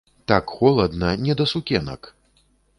Так холадна, не да сукенак!